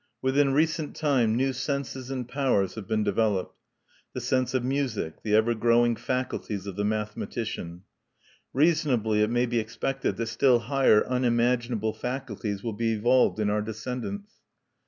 Within recent time new senses and powers have been developed, the sense of music, the ever growing faculties of the mathematician. Reasonably it may be expected that still higher unimaginable faculties will be evolved in our descendants.